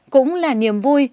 cũng là niềm vui